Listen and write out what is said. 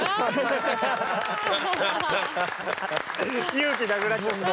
勇気なくなっちゃった。